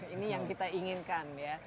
ini yang kita inginkan ya